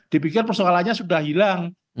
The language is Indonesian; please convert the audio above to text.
dipikir persoalannya sudah hilang